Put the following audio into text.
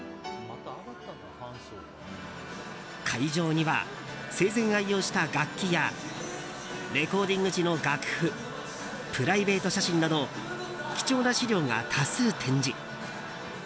会場には、生前愛用した楽器やレコーディング時の楽譜プライベート写真など貴重な資料が多数展示。